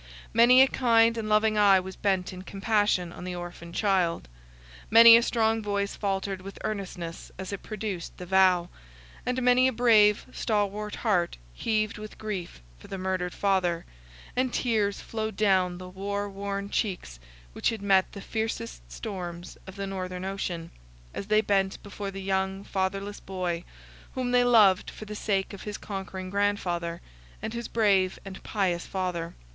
Many a kind and loving eye was bent in compassion on the orphan child; many a strong voice faltered with earnestness as it pronounced the vow, and many a brave, stalwart heart heaved with grief for the murdered father, and tears flowed down the war worn cheeks which had met the fiercest storms of the northern ocean, as they bent before the young fatherless boy, whom they loved for the sake of his conquering grandfather, and his brave and pious father.